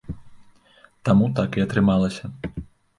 Таму так і атрымалася.